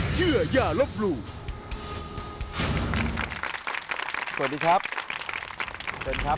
สวัสดีครับ